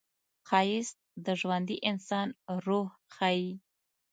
ښایست د ژوندي انسان روح ښيي